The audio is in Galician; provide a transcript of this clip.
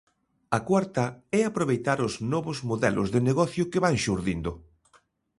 A cuarta é aproveitar os novos modelos de negocio que van xurdindo.